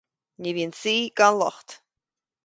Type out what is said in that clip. Ní bhíonn saoi gan locht